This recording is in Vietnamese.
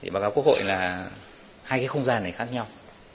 báo cáo quốc hội là hai cái không gian này khác nhau